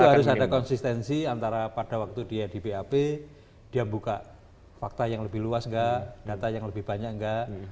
itu harus ada konsistensi antara pada waktu dia di bap dia buka fakta yang lebih luas nggak data yang lebih banyak enggak